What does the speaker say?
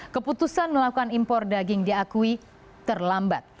keputusan melakukan impor daging diakui terlambat